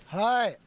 はい。